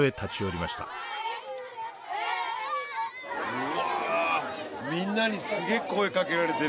うわみんなにすげえ声かけられてる。